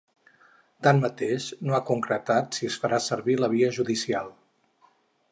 Tanmateix, no ha concretat si es farà servir la via judicial.